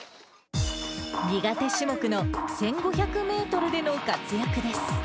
苦手種目の１５００メートルでの活躍です。